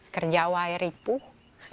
kerja wajar ripuh